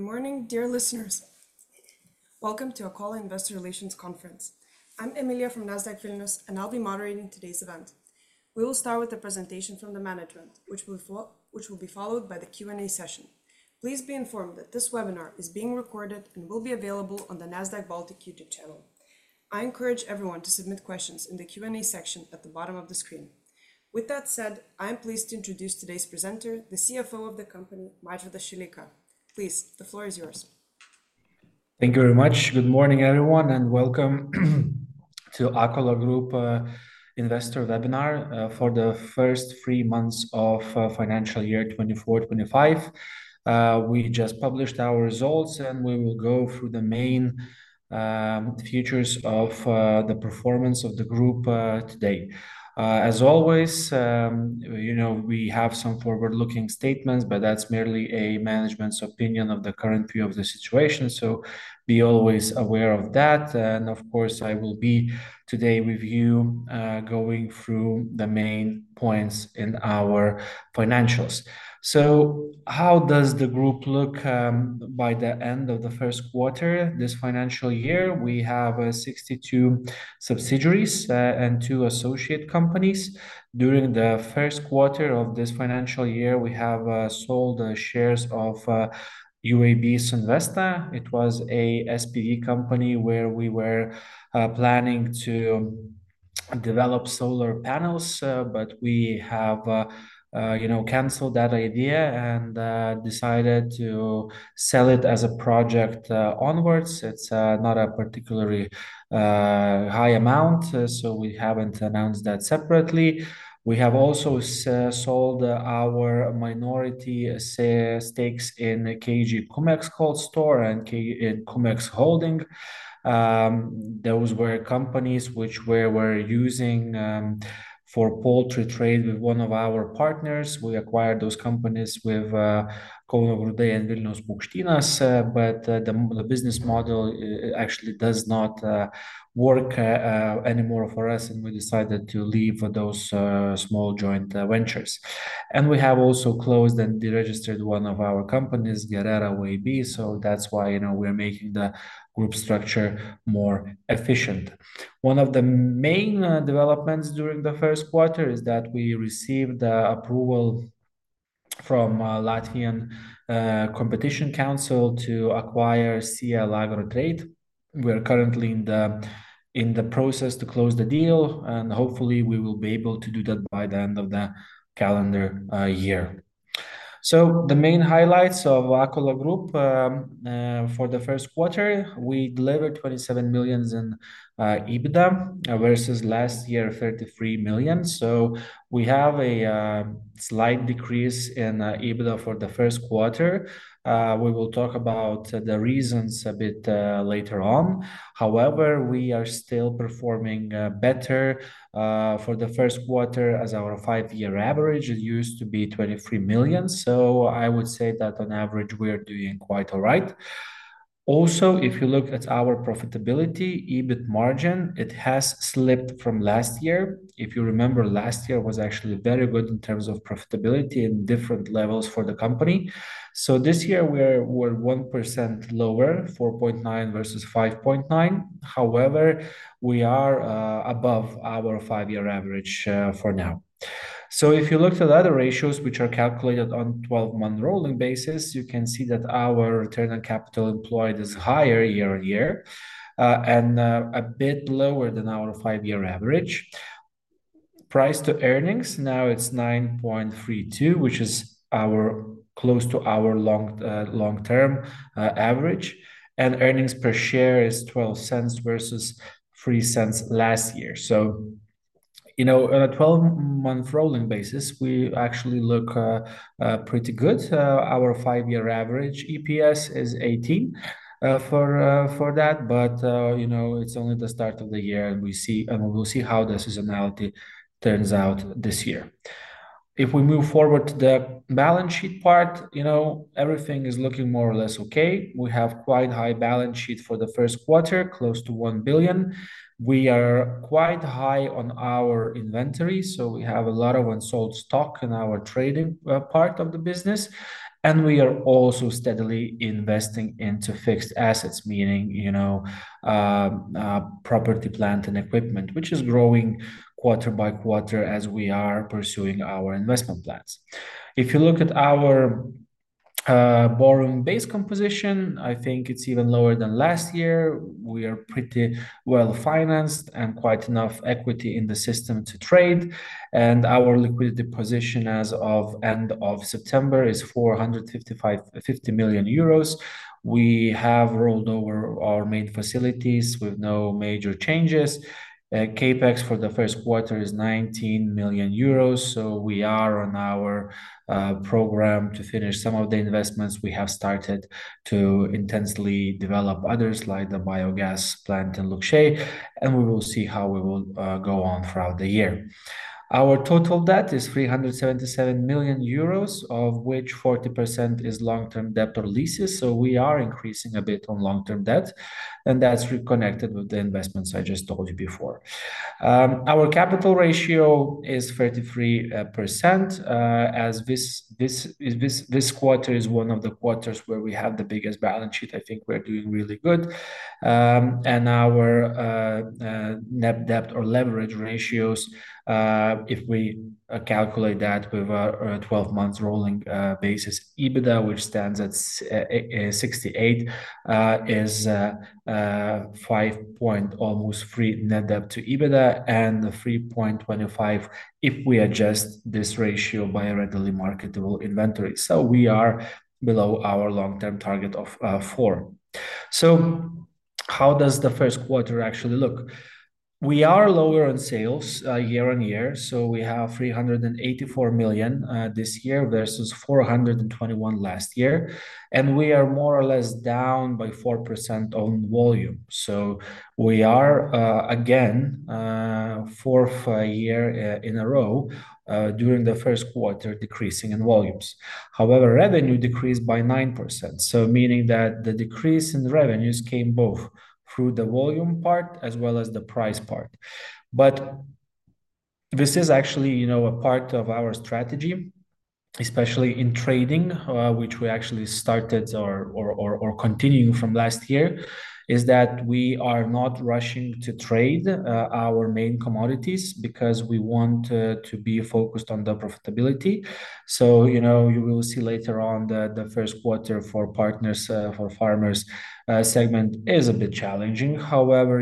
Good morning, dear listeners. Welcome to Akola Investor Relations Conference. I'm Emilia from Nasdaq Vilnius, and I'll be moderating today's event. We will start with a presentation from the management, which will be followed by the Q&A session. Please be informed that this webinar is being recorded and will be available on the Nasdaq Baltic YouTube channel. I encourage everyone to submit questions in the Q&A section at the bottom of the screen. With that said, I'm pleased to introduce today's presenter, the CFO of the company, Mažvydas Šileika. Please, the floor is yours. Thank you very much. Good morning, everyone, and welcome to Akola Group Mažvydas Šileika's investor webinar for the first three months of financial year 24/25. We just published our results, and we will go through the main features of the performance of the group today. As always, we have some forward-looking statements, but that's merely a management's opinion of the current view of the situation. So be always aware of that. And of course, I will be today with you going through the main points in our financials. So how does the group look by the end of the first quarter this financial year? We have 62 subsidiaries and two associate companies. During the first quarter of this financial year, we have sold shares of UAB Silvesta. It was an SPV company where we were planning to develop solar panels, but we have canceled that idea and decided to sell it as a project onwards. It's not a particularly high amount, so we haven't announced that separately. We have also sold our minority stakes in KG Komeks Cold Store and KG Komeks Holding. Those were companies which we were using for poultry trade with one of our partners. We acquired those companies with Kauno Grūdai and Vilniaus Paukštynas, but the business model actually does not work anymore for us, and we decided to leave those small joint ventures. We have also closed and deregistered one of our companies, Gerera UAB, so that's why we are making the group structure more efficient. One of the main developments during the first quarter is that we received approval from the Latvian Competition Council to acquire Elagro Trade. We are currently in the process to close the deal, and hopefully, we will be able to do that by the end of the calendar year. So the main highlights of Akola Group for the first quarter: we delivered 27 million in EBITDA versus last year's 33 million. So we have a slight decrease in EBITDA for the first quarter. We will talk about the reasons a bit later on. However, we are still performing better for the first quarter as our five-year average used to be 23 million. So I would say that on average, we are doing quite all right. Also, if you look at our profitability, EBIT margin, it has slipped from last year. If you remember, last year was actually very good in terms of profitability and different levels for the company. So this year, we're 1% lower, 4.9% versus 5.9%. However, we are above our five-year average for now. So if you look at the other ratios, which are calculated on a 12-month rolling basis, you can see that our return on capital employed is higher year on year and a bit lower than our five-year average. Price to earnings now is 9.32, which is close to our long-term average, and earnings per share is 0.12 versus 0.03 last year, so on a 12-month rolling basis, we actually look pretty good. Our five-year average EPS is 0.18 for that, but it's only the start of the year, and we will see how the seasonality turns out this year. If we move forward to the balance sheet part, everything is looking more or less okay. We have quite a high balance sheet for the first quarter, close to 1 billion. We are quite high on our inventory, so we have a lot of unsold stock in our trading part of the business. And we are also steadily investing into fixed assets, meaning property, plant, and equipment, which is growing quarter by quarter as we are pursuing our investment plans. If you look at our borrowing-based composition, I think it's even lower than last year. We are pretty well financed and quite enough equity in the system to trade. And our liquidity position as of the end of September is 450 million euros. We have rolled over our main facilities with no major changes. CapEx for the first quarter is 19 million euros. So we are on our program to finish some of the investments. We have started to intensely develop others like the biogas plant in Lukšiai, and we will see how we will go on throughout the year. Our total debt is 377 million euros, of which 40% is long-term debt or leases. So we are increasing a bit on long-term debt, and that's connected with the investments I just told you before. Our capital ratio is 33%. This quarter is one of the quarters where we have the biggest balance sheet. I think we're doing really good. And our net debt or leverage ratios, if we calculate that with a 12-month rolling basis, EBITDA, which stands at 68, is 5. Almost 3 net debt to EBITDA and 3.25 if we adjust this ratio by readily marketable inventory. So we are below our long-term target of 4. So how does the first quarter actually look? We are lower on sales year on year. So we have 384 million EUR this year versus 421 million EUR last year. And we are more or less down by 4% on volume. So we are, again, fourth year in a row during the first quarter decreasing in volumes. However, revenue decreased by 9%, meaning that the decrease in revenues came both through the volume part as well as the price part. But this is actually a part of our strategy, especially in trading, which we actually started or continued from last year, is that we are not rushing to trade our main commodities because we want to be focused on the profitability. So you will see later on that the first quarter for Partners for Farmers segment is a bit challenging. However,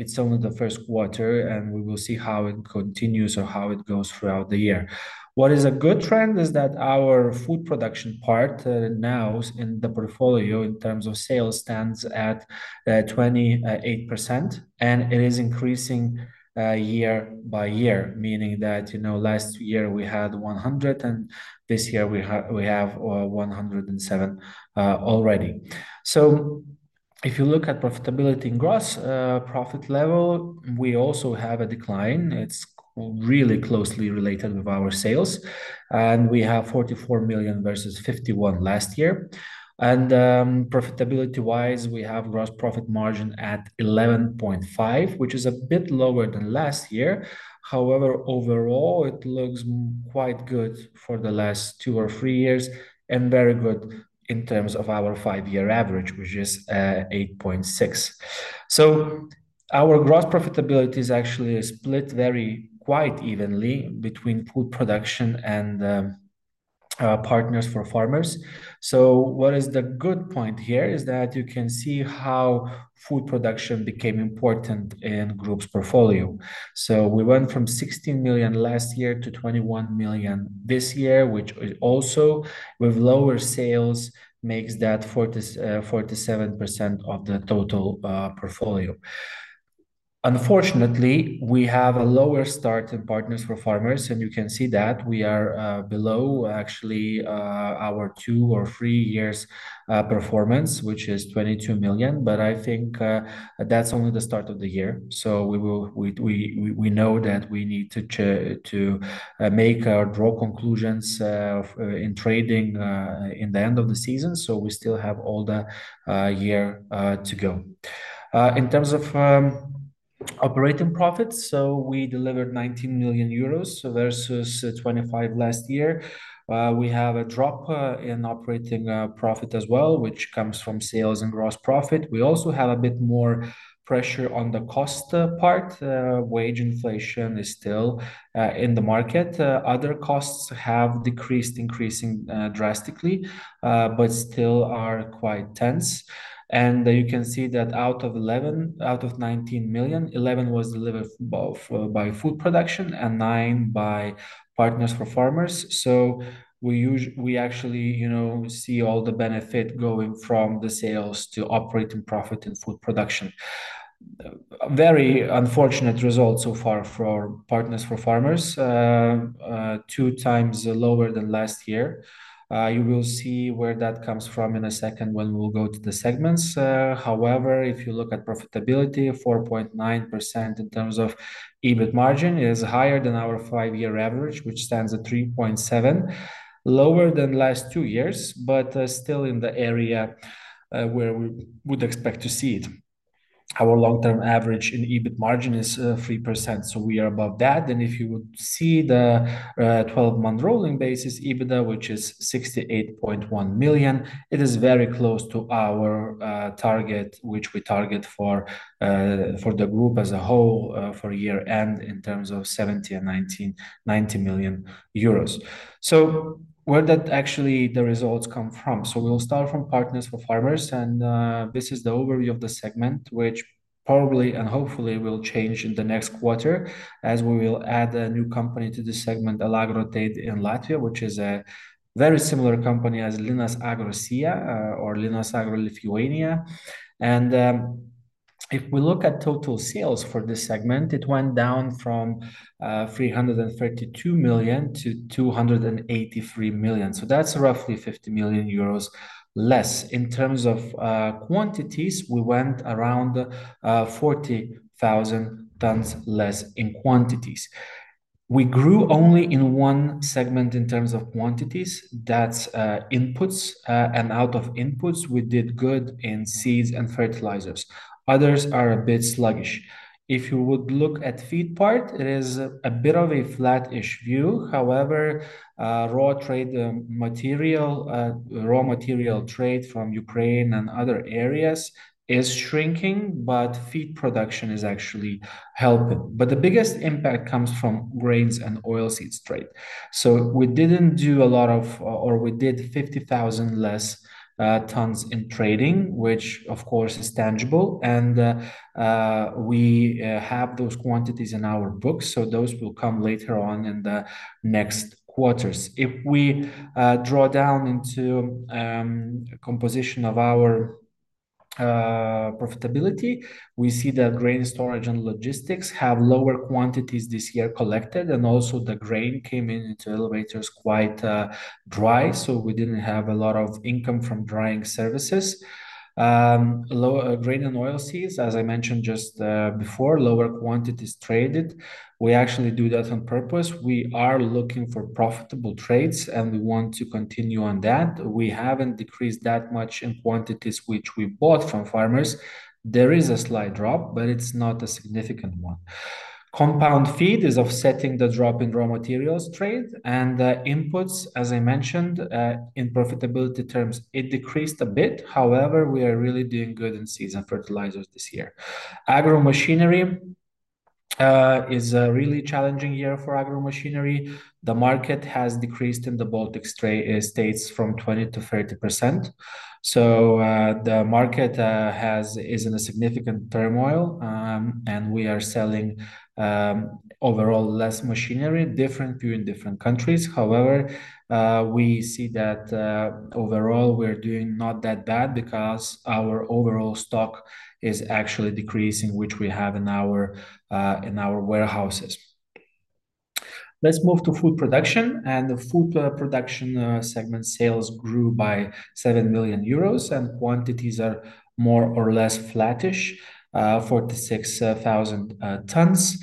it's only the first quarter, and we will see how it continues or how it goes throughout the year. A good trend is that our food production part now in the portfolio in terms of sales stands at 28%, and it is increasing year by year, meaning that last year we had 100, and this year we have 107 already. So if you look at profitability and gross profit level, we also have a decline. It's really closely related with our sales. We have 44 million EUR versus 51 million EUR last year. Profitability-wise, we have gross profit margin at 11.5%, which is a bit lower than last year. However, overall, it looks quite good for the last two or three years and very good in terms of our five-year average, which is 8.6%. Our gross profitability is actually split very quite evenly between food production and Partners for Farmers. The good point here is that you can see how food production became important in the group's portfolio. We went from 16 million last year to 21 million this year, which also, with lower sales, makes that 47% of the total portfolio. Unfortunately, we have a lower start in inputs for farmers, and you can see that we are below, actually, our two or three years' performance, which is 22 million. I think that's only the start of the year. We know that we need to make or draw conclusions in trading in the end of the season. We still have all the year to go. In terms of operating profits, we delivered 19 million euros versus 25 million last year. We have a drop in operating profit as well, which comes from sales and gross profit. We also have a bit more pressure on the cost part. Wage inflation is still in the market. Other costs have decreased, increasing drastically, but still are quite tense. And you can see that out of 19 million EUR, 11 million EUR was delivered by food production and 9 million EUR by Partners for Farmers. So we actually see all the benefit going from the sales to operating profit and food production. Very unfortunate result so far for Partners for Farmers, two times lower than last year. You will see where that comes from in a second when we'll go to the segments. However, if you look at profitability, 4.9% in terms of EBIT margin is higher than our five-year average, which stands at 3.7%, lower than last two years, but still in the area where we would expect to see it. Our long-term average in EBIT margin is 3%. So we are above that. And if you would see the 12-month rolling basis EBITDA, which is 68.1 million EUR, it is very close to our target, which we target for the group as a whole for year-end in terms of 70 and 90 million euros. So where did actually the results come from? So we'll start from Partners for Farmers. And this is the overview of the segment, which probably and hopefully will change in the next quarter as we will add a new company to the segment, Elagro Trade in Latvia, which is a very similar company as Linas Agro SIA or Linas Agro Lithuania. And if we look at total sales for this segment, it went down from 332 million EUR to 283 million EUR. So that's roughly 50 million euros less. In terms of quantities, we went around 40,000 tons less in quantities. We grew only in one segment in terms of quantities. That's inputs and outputs. We did good in seeds and fertilizers. Others are a bit sluggish. If you would look at the feed part, it is a bit of a flat-ish view. However, raw material trade from Ukraine and other areas is shrinking, but feed production is actually helping. But the biggest impact comes from grains and oilseeds trade. So we didn't do a lot of, or we did 50,000 less tons in trading, which, of course, is tangible. And we have those quantities in our books. So those will come later on in the next quarters. If we draw down into the composition of our profitability, we see that grain storage and logistics have lower quantities this year collected. And also, the grain came into elevators quite dry. So we didn't have a lot of income from drying services. Grain and oilseeds, as I mentioned just before, lower quantities traded. We actually do that on purpose. We are looking for profitable trades, and we want to continue on that. We haven't decreased that much in quantities, which we bought from farmers. There is a slight drop, but it's not a significant one. Compound feed is offsetting the drop in raw materials trade. And inputs, as I mentioned, in profitability terms, it decreased a bit. However, we are really doing good in seeds and fertilizers this year. Agro machinery is a really challenging year for agro machinery. The market has decreased in the Baltic states from 20%-30%. So the market is in a significant turmoil, and we are selling overall less machinery, different view in different countries. However, we see that overall, we're doing not that bad because our overall stock is actually decreasing, which we have in our warehouses. Let's move to food production. And the food production segment sales grew by 7 million euros, and quantities are more or less flattish, 46,000 tons.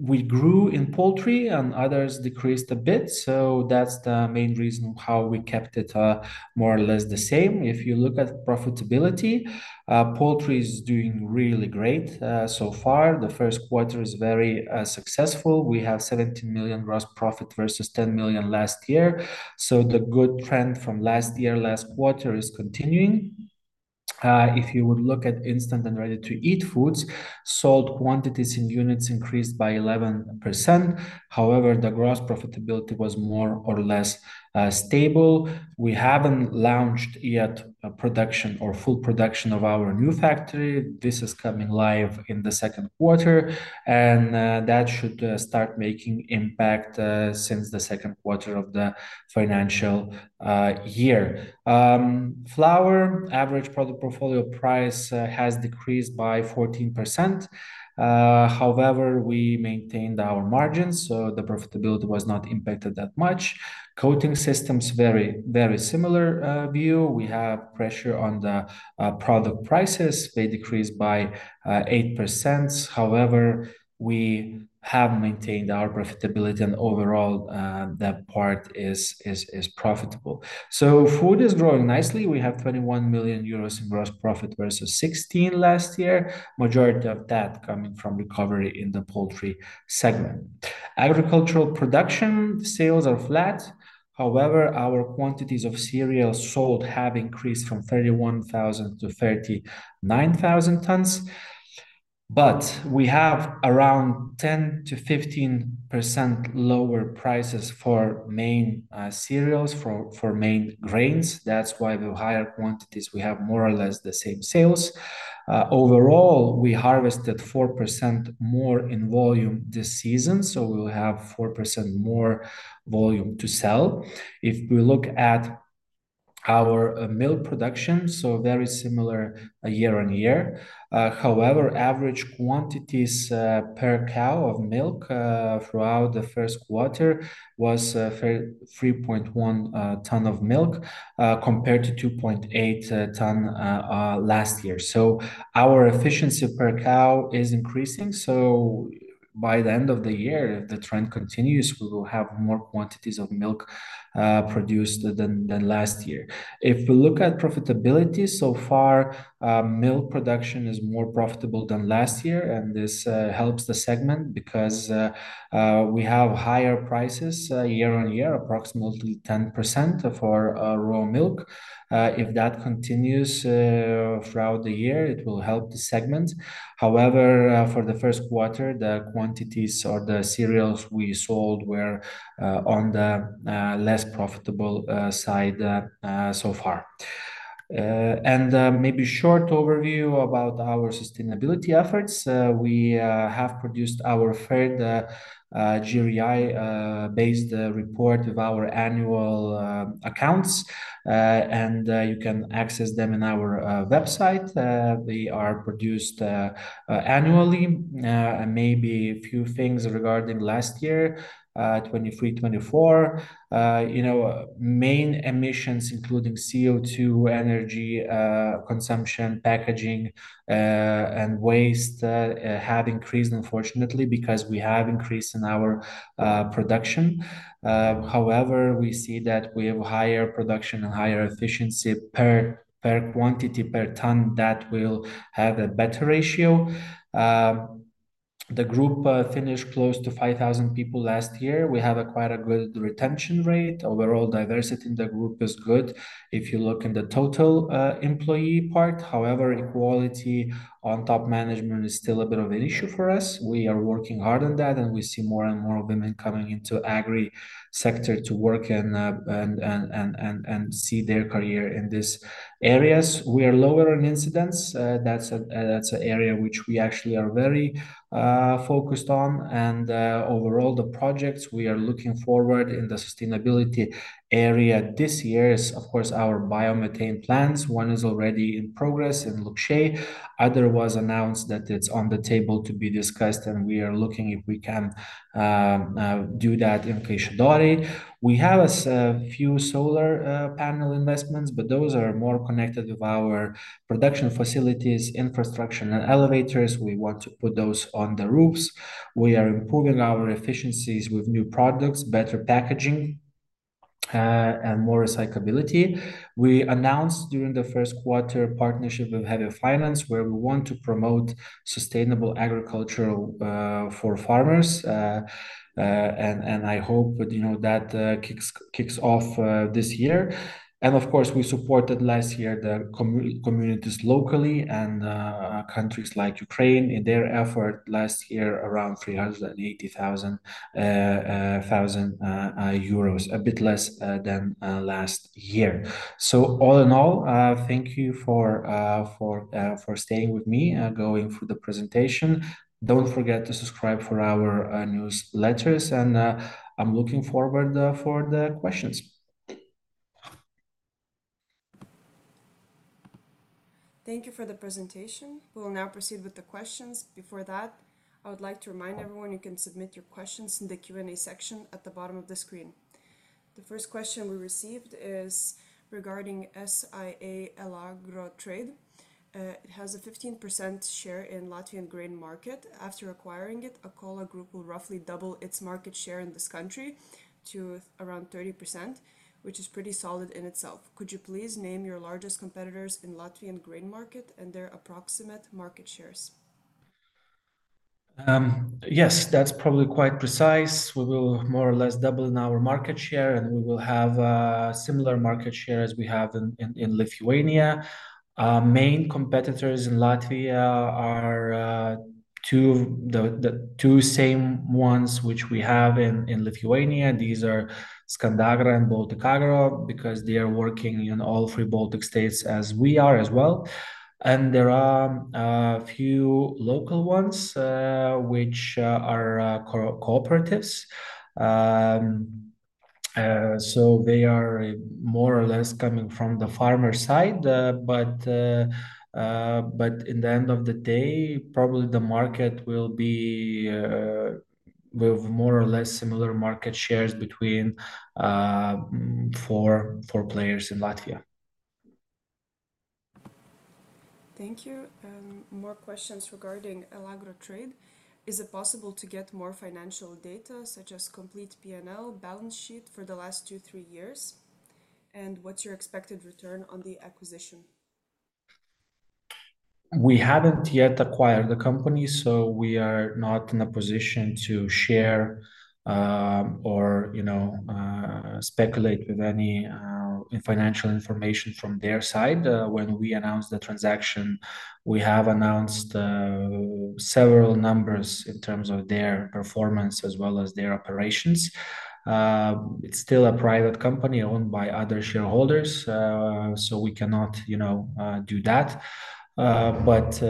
We grew in poultry, and others decreased a bit. So that's the main reason how we kept it more or less the same. If you look at profitability, poultry is doing really great so far. The first quarter is very successful. We have 17 million gross profit versus 10 million last year. So the good trend from last year, last quarter is continuing. If you would look at instant and ready-to-eat foods, sold quantities in units increased by 11%. However, the gross profitability was more or less stable. We haven't launched yet production or full production of our new factory. This is coming live in the second quarter, and that should start making impact since the second quarter of the financial year. Flour average product portfolio price has decreased by 14%. However, we maintained our margins, so the profitability was not impacted that much. Coating systems, very similar view. We have pressure on the product prices. They decreased by 8%. However, we have maintained our profitability, and overall, that part is profitable. So food is growing nicely. We have 21 million euros in gross profit versus 16 million EUR last year, majority of that coming from recovery in the poultry segment. Agricultural production sales are flat. However, our quantities of cereal sold have increased from 31,000-39,000 tons. But we have around 10%-15% lower prices for main cereals, for main grains. That's why we have higher quantities. We have more or less the same sales. Overall, we harvested 4% more in volume this season. So we'll have 4% more volume to sell. If we look at our milk production, so very similar year on year. However, average quantities per cow of milk throughout the first quarter was 3.1 ton of milk compared to 2.8 ton last year. So our efficiency per cow is increasing. So by the end of the year, if the trend continues, we will have more quantities of milk produced than last year. If we look at profitability so far, milk production is more profitable than last year. And this helps the segment because we have higher prices year on year, approximately 10% of our raw milk. If that continues throughout the year, it will help the segment. However, for the first quarter, the quantities or the cereals we sold were on the less profitable side so far. Maybe a short overview about our sustainability efforts. We have produced our third GRI-based report of our annual accounts. You can access them on our website. They are produced annually. Maybe a few things regarding last year, 2023-2024. Main emissions, including CO2, energy consumption, packaging, and waste, have increased, unfortunately, because we have increased in our production. However, we see that we have higher production and higher efficiency per quantity, per ton that will have a better ratio. The group finished close to 5,000 people last year. We have quite a good retention rate. Overall, diversity in the group is good. If you look in the total employee part, however, equality on top management is still a bit of an issue for us. We are working hard on that, and we see more and more women coming into the agri sector to work and see their career in these areas. We are lower on incidents. That's an area which we actually are very focused on, and overall, the projects we are looking forward to in the sustainability area this year is, of course, our biomethane plants. One is already in progress in Lukšiai. Other was announced that it's on the table to be discussed, and we are looking if we can do that in Kaišiadorys. We have a few solar panel investments, but those are more connected with our production facilities, infrastructure, and elevators. We want to put those on the roofs. We are improving our efficiencies with new products, better packaging, and more recyclability. We announced during the first quarter a partnership with Heavy Finance, where we want to promote sustainable agriculture for farmers, and I hope that kicks off this year, and of course, we supported last year the communities locally and countries like Ukraine in their effort last year around 380,000 euros, a bit less than last year, so all in all, thank you for staying with me going through the presentation. Don't forget to subscribe for our newsletters, and I'm looking forward to the questions. Thank you for the presentation. We'll now proceed with the questions. Before that, I would like to remind everyone you can submit your questions in the Q&A section at the bottom of the screen. The first question we received is regarding SIA Elagro Trade. It has a 15% share in the Latvian grain market. After acquiring it, Akola Group will roughly double its market share in this country to around 30%, which is pretty solid in itself. Could you please name your largest competitors in the Latvian grain market and their approximate market shares? Yes, that's probably quite precise. We will more or less double our market share, and we will have a similar market share as we have in Lithuania. Main competitors in Latvia are the two same ones which we have in Lithuania. These are Skandagra and Baltic Agro because they are working in all three Baltic states as we are as well, and there are a few local ones which are cooperatives, so they are more or less coming from the farmer side, but in the end of the day, probably the market will be with more or less similar market shares between four players in Latvia. Thank you. More questions regarding Elagro Trade. Is it possible to get more financial data, such as complete P&L, balance sheet for the last two, three years, and what's your expected return on the acquisition? We haven't yet acquired the company, so we are not in a position to share or speculate with any financial information from their side. When we announced the transaction, we have announced several numbers in terms of their performance as well as their operations. It's still a private company owned by other shareholders, so we cannot do that. But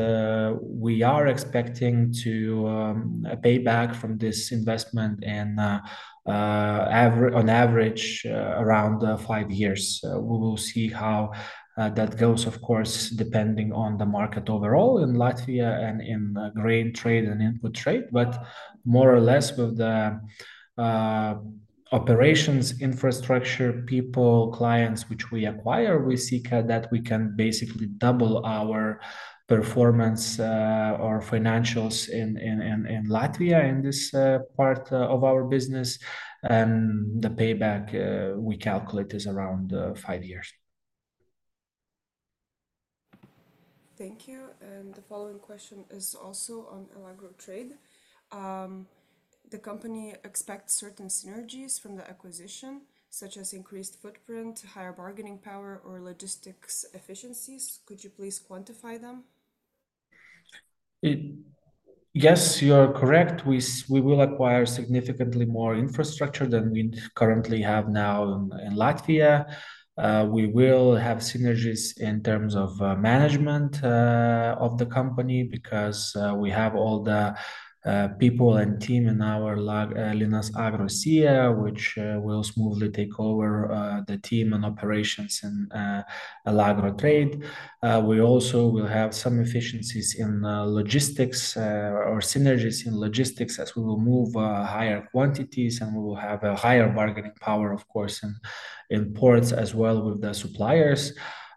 we are expecting to pay back from this investment on average around five years. We will see how that goes, of course, depending on the market overall in Latvia and in grain trade and input trade. But more or less with the operations, infrastructure, people, clients which we acquire, we seek that we can basically double our performance or financials in Latvia in this part of our business. And the payback we calculate is around five years. Thank you. And the following question is also on Elagro Trade. The company expects certain synergies from the acquisition, such as increased footprint, higher bargaining power, or logistics efficiencies. Could you please quantify them? Yes, you're correct. We will acquire significantly more infrastructure than we currently have now in Latvia. We will have synergies in terms of management of the company because we have all the people and team in our Linas Agro SIA, which will smoothly take over the team and operations in Elagro Trade. We also will have some efficiencies in logistics or synergies in logistics as we will move higher quantities, and we will have a higher bargaining power, of course, in ports as well with the suppliers.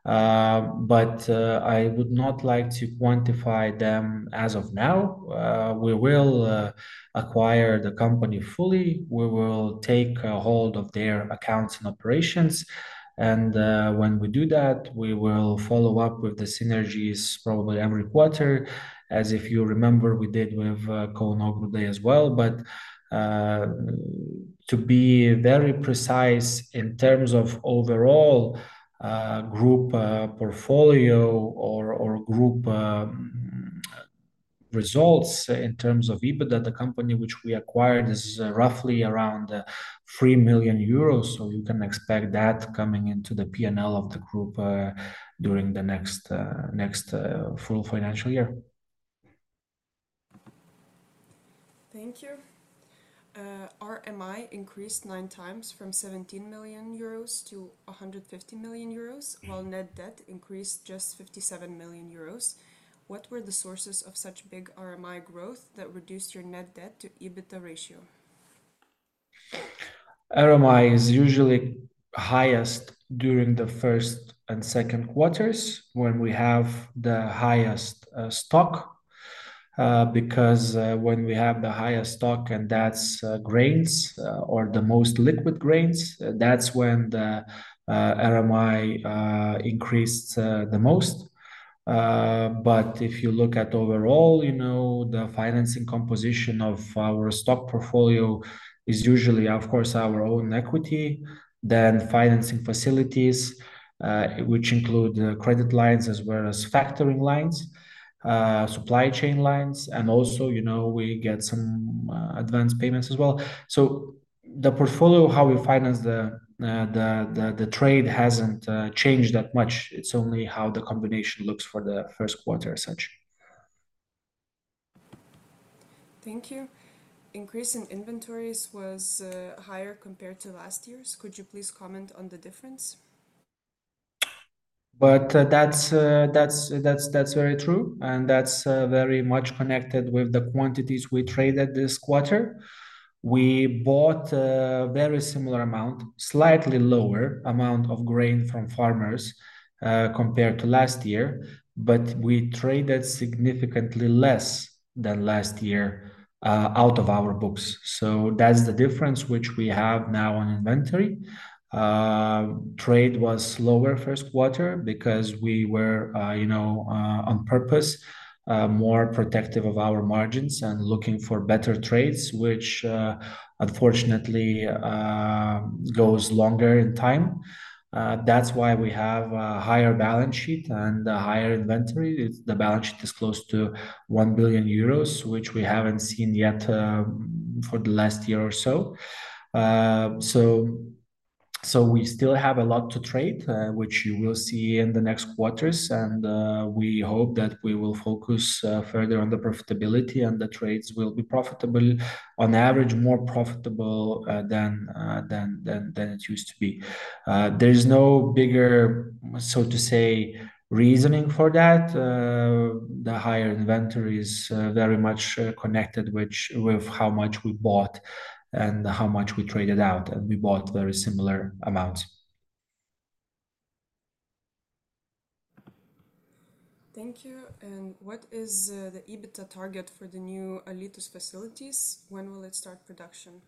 But I would not like to quantify them as of now. We will acquire the company fully. We will take hold of their accounts and operations. And when we do that, we will follow up with the synergies probably every quarter, as if you remember we did with Kauno Grūdai as well. But to be very precise in terms of overall group portfolio or group results in terms of EBITDA, the company which we acquired is roughly around 3 million euros. So you can expect that coming into the P&L of the group during the next full financial year. Thank you. RMI increased nine times from 17 million euros to 150 million euros, while net debt increased just 57 million euros. What were the sources of such big RMI growth that reduced your net debt to EBITDA ratio? RMI is usually highest during the first and second quarters when we have the highest stock. Because when we have the highest stock, and that's grains or the most liquid grains, that's when the RMI increased the most. But if you look at overall, the financing composition of our stock portfolio is usually, of course, our own equity, then financing facilities, which include credit lines as well as factoring lines, supply chain lines, and also we get some advance payments as well. So the portfolio, how we finance the trade, hasn't changed that much. It's only how the combination looks for the first quarter as such. Thank you. Increase in inventories was higher compared to last year's. Could you please comment on the difference? But that's very true. And that's very much connected with the quantities we traded this quarter. We bought a very similar amount, slightly lower amount of grain from farmers compared to last year. But we traded significantly less than last year out of our books. So that's the difference which we have now on inventory. Trade was lower first quarter because we were, on purpose, more protective of our margins and looking for better trades, which unfortunately goes longer in time. That's why we have a higher balance sheet and a higher inventory. The balance sheet is close to 1 billion euros, which we haven't seen yet for the last year or so. So we still have a lot to trade, which you will see in the next quarters. We hope that we will focus further on the profitability, and the trades will be profitable, on average, more profitable than it used to be. There's no bigger, so to say, reasoning for that. The higher inventory is very much connected with how much we bought and how much we traded out. And we bought very similar amounts. Thank you. And what is the EBITDA target for the new Alytus facilities? When will it start production?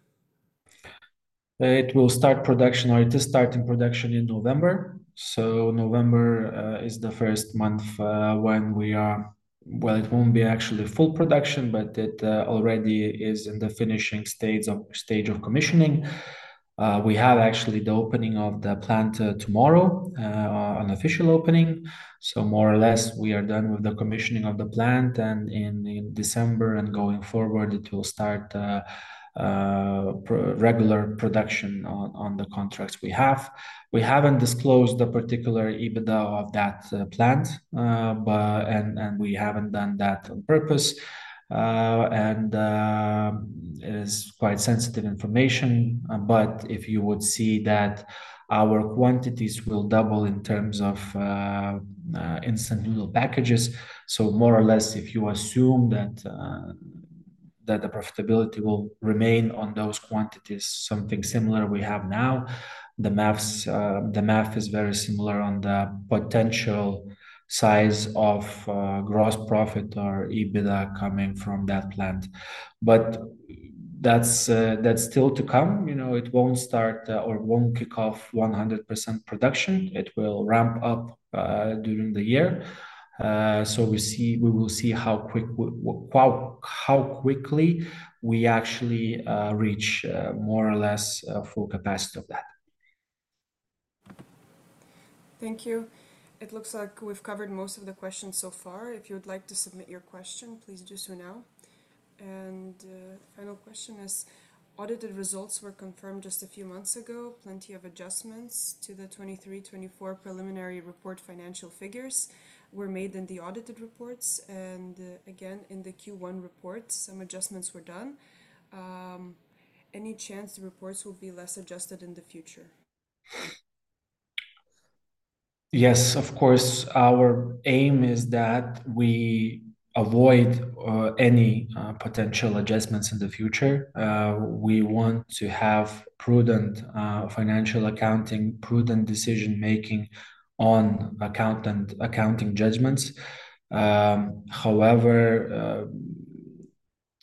It will start production or it is starting production in November. So November is the first month when we are well, it won't be actually full production, but it already is in the finishing stage of commissioning. We have actually the opening of the plant tomorrow, an official opening. So more or less, we are done with the commissioning of the plant. And in December and going forward, it will start regular production on the contracts we have. We haven't disclosed the particular EBITDA of that plant, and we haven't done that on purpose. And it is quite sensitive information. But if you would see that our quantities will double in terms of instant noodle packages. So more or less, if you assume that the profitability will remain on those quantities, something similar we have now, the math is very similar on the potential size of gross profit or EBITDA coming from that plant. But that's still to come. It won't start or won't kick off 100% production. It will ramp up during the year. So we will see how quickly we actually reach more or less full capacity of that. Thank you. It looks like we've covered most of the questions so far. If you would like to submit your question, please do so now. The final question is, audited results were confirmed just a few months ago. Plenty of adjustments to the 2023-24 preliminary report financial figures were made in the audited reports. Again, in the Q1 reports, some adjustments were done. Any chance the reports will be less adjusted in the future? Yes, of course. Our aim is that we avoid any potential adjustments in the future. We want to have prudent financial accounting, prudent decision-making on accounting judgments. However,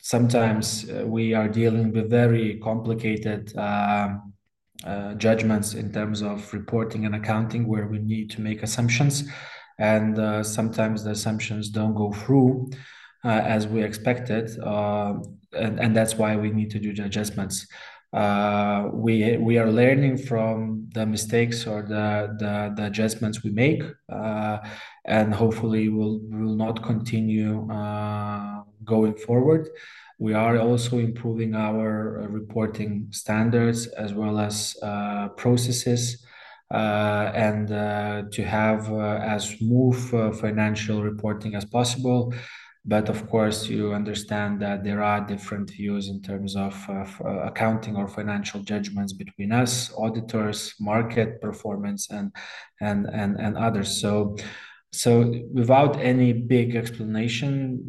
sometimes we are dealing with very complicated judgments in terms of reporting and accounting where we need to make assumptions. Sometimes the assumptions don't go through as we expected. That's why we need to do the adjustments. We are learning from the mistakes or the adjustments we make. Hopefully, we will not continue going forward. We are also improving our reporting standards as well as processes and to have as smooth financial reporting as possible. But of course, you understand that there are different views in terms of accounting or financial judgments between us, auditors, management, and others. So without any big explanation,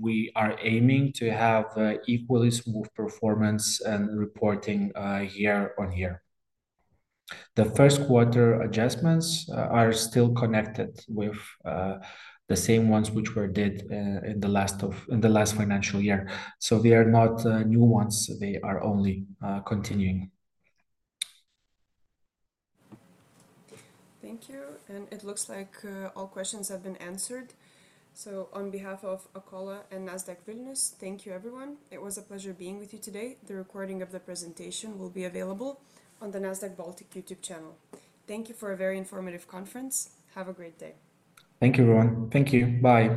we are aiming to have equally smooth performance and reporting year on year. The first quarter adjustments are still connected with the same ones which were done in the last financial year. So they are not new ones. They are only continuing. Thank you. And it looks like all questions have been answered. So on behalf of Akola and Nasdaq Vilnius, thank you, everyone. It was a pleasure being with you today. The recording of the presentation will be available on the Nasdaq Baltic YouTube channel. Thank you for a very informative conference. Have a great day. Thank you, everyone. Thank you. Bye.